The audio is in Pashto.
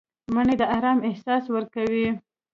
مني د آرام احساس ورکوي